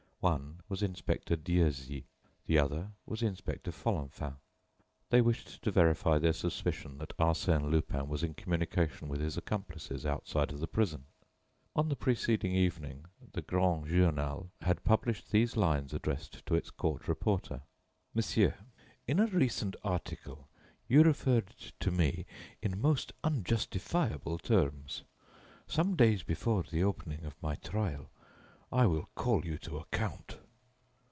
One was Inspector Dieuzy; the other was Inspector Folenfant. They wished to verify their suspicion that Arsène Lupin was in communication with his accomplices outside of the prison. On the preceding evening, the 'Grand Journal' had published these lines addressed to its court reporter: "Monsieur: "In a recent article you referred to me in most unjustifiable terms. Some days before the opening of my trial I will call you to account.